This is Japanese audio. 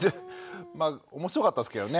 まあ面白かったですけどね。